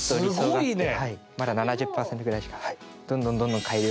すごいね。